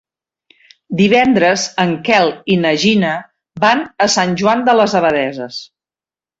Divendres en Quel i na Gina van a Sant Joan de les Abadesses.